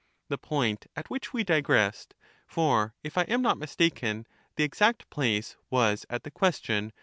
The point at which we digressed ; for, if I am not mistaken, the exact place was at the question.